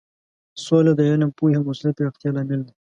سوله د علم، پوهې او مسولیت پراختیا لامل دی.